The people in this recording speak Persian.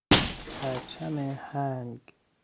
پرچم هنگ